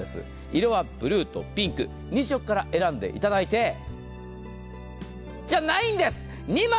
色はブルーとピンク２色から選んでいただいてじゃないんです。